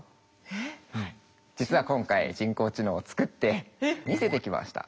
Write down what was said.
実は今回人工知能を作って見せてきました。